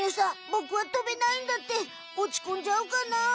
「ボクはとべないんだ」っておちこんじゃうかな？